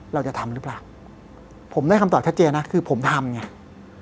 เราจะทำหรือเปล่าผมได้คำตอบชัดเจนนะคือผมทำไง